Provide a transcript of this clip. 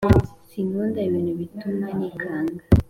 Sinkunda ibintu bituma nikanga